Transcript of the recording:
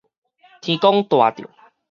天公帶著